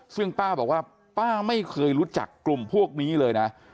ซึ่งป้าบอกว่าป้าไม่เคยรู้จักกลุ่มพวกนี้เลยนะ